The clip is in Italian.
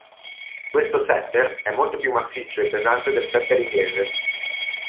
Questo setter è molto più massiccio e pesante del setter inglese.